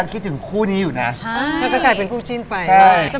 ทีมือเท่านั้นแป๊บมาไหม